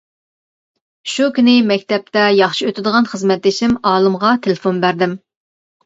شۇ كۈنى مەكتەپتە ياخشى ئۆتىدىغان خىزمەتدىشىم ئالىمغا تېلېفون بەردىم.